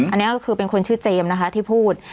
อันนี้ก็คือเป็นคนชื่อเจมส์นะคะที่พูด